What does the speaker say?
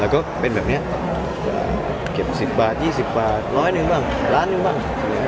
เราก็เป็นแบบเนี้ยเก็บสิบบาทยี่สิบบาทร้อยหนึ่งบ้างล้านหนึ่งบ้าง